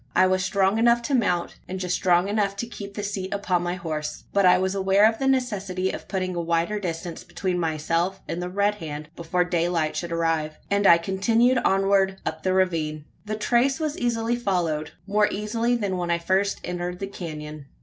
I was strong enough to mount, and just strong enough to keep the seat upon my horse; but I was aware of the necessity of putting a wider distance between myself and the Red Hand before daylight should arrive; and I continued onward up the ravine. The trace was easily followed more easily than when I first entered the canon.